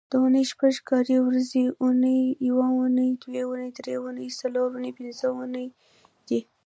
د اونۍ شپږ کاري ورځې اونۍ، یونۍ، دونۍ، درېنۍ، څلورنۍ، پینځنۍ دي